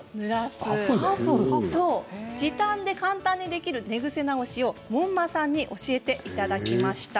時短で簡単にできる寝ぐせ直しを門馬さんに教えていただきました。